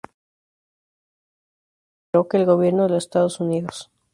La situación generó que el gobierno de los Estados Unidos.